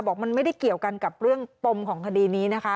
บอกมันไม่ได้เกี่ยวกันกับเรื่องปมของคดีนี้นะคะ